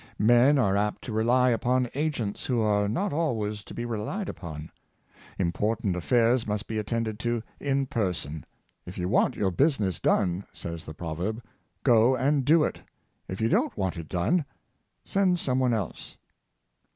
Men are apt to rely upon agents, who are not always to be relied upon. Important affairs must be attended to in person. " If you want your business done," says the proverb, "go and do it; if you don't want it done, send some one else."